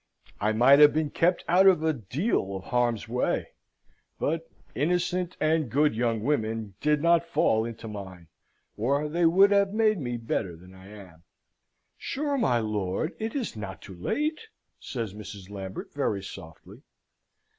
I might have been kept out of a deal of harm's way: but innocent and good young women did not fall into mine, or they would have made me better than I am." "Sure, my lord, it is not too late!" says Mrs. Lambert, very softly.